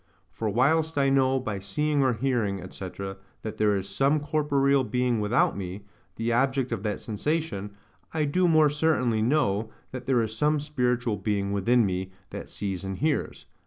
For whilst I know, by seeing or hearing, &c., that there is some corporeal being without me, the object of that sensation, I do more certainly know, that there is some spiritual being within me that sees and hears.